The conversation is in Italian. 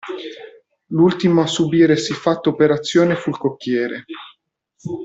L'ultimo a subire siffatta operazione fu il cocchiere.